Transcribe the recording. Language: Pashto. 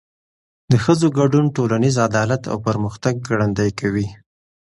د ښځو ګډون ټولنیز عدالت او پرمختګ ګړندی کوي.